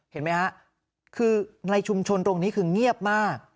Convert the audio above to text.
เห็นไหมฮะคือในชุมชนตรงนี้คือเงียบมาก